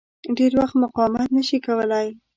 ډېر وخت مقاومت نه شي کولای.